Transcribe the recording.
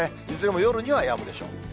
いずれも夜にはやむでしょう。